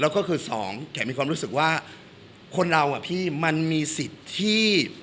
แล้วก็คือสองแขกมีความรู้สึกว่าคนเราอ่ะพี่มันมีสิทธิ์ที่